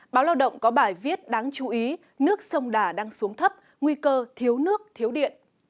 báo lao động có bài viết đáng chú ý nước sông đà đang xuống thấp nguy cơ thiếu nước thiếu điện